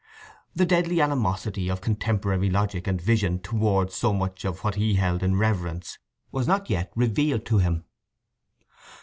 The deadly animosity of contemporary logic and vision towards so much of what he held in reverence was not yet revealed to him.